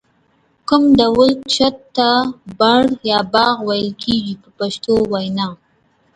کوم ډول کښت ته بڼ یا باغ ویل کېږي په پښتو وینا.